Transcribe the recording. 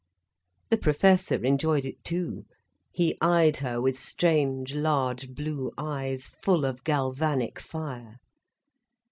The Professor enjoyed it too, he eyed her with strange, large blue eyes, full of galvanic fire.